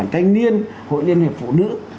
cái niên hội liên hiệp phụ nữ